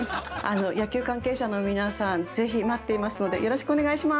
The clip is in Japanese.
野球関係者の皆さん是非待っていますのでよろしくお願いします。